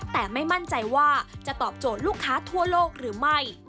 แต่ไม่มั่นใจว่าจะตอบโจทย์ลูกค้าทั่วโลกหรือไม่